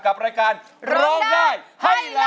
กับรายการร้องได้ให้ล้าน